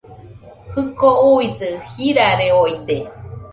Jɨko uisɨ jirareoide